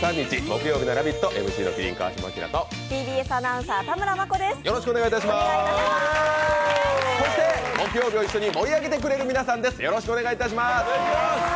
木曜日を一緒に盛り上げてくれる皆さんです。